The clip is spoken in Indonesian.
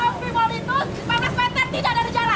tidak ada jalan opaikan opi molitus empat belas meter tidak ada jalan